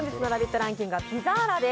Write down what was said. ランキングはピザーラです。